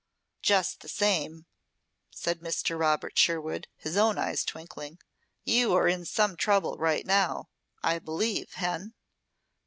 "Just the same," said Mr. Robert Sherwood, his own eyes twinkling, "you are in some trouble right now, I believe, Hen?"